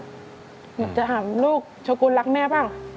อยากจะถามลูกชกุลรักแม่บ้าง